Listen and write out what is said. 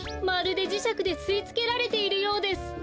まるでじしゃくですいつけられているようです！